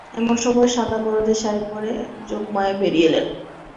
এমন সময়ে সাদা গরদের শাড়ি পরে যোগমায়া বেরিয়ে এলেন।